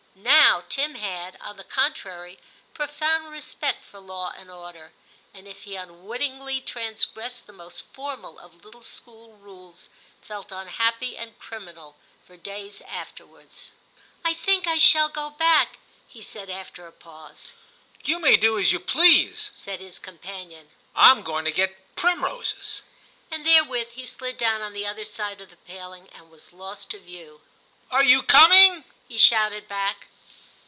Now Tim had, on the contrary, profound respect for law and order, and if he unwittingly transgressed the most formal of little school rules, felt unhappy and criminal for days afterwards. * I think I shall go back,' he said after a pause. *You may do as you please,' said his companion ; */'m going to get primroses,' and therewith he slid down on the other side of the paling and was lost to view. * Are you coming }' he shouted back.